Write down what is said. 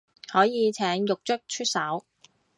可以請獄卒出手